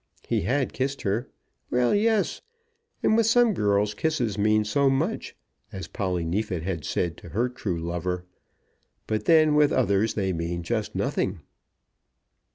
He had kissed her. Well; yes; and with some girls kisses mean so much, as Polly Neefit had said to her true lover. But then with others they mean just nothing.